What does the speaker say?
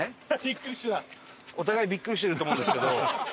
お互いビックリしてると思うんですけど。